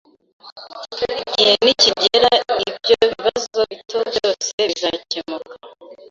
Igihe nikigera, ibyo bibazo bito byose bizakemuka